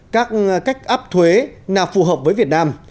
các cách áp thuế nào phù hợp với việt nam